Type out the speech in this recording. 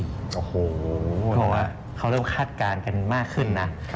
เพราะว่าเขาเริ่มคาดการณ์กันมากขึ้นนะ